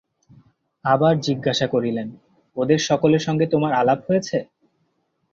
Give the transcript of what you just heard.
আবার জিজ্ঞাসা করিলেন, ওঁদের সকলের সঙ্গে তোমার আলাপ হয়েছে?